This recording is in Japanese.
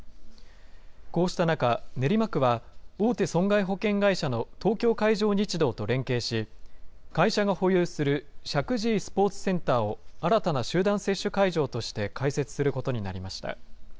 こうした中、練馬区は、大手損害保険会社の東京海上日動と連携し、会社が保有する石神井スポーツセンターを新たな集団接種会場として開設することになりました。